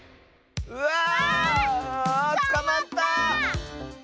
うわつかまった！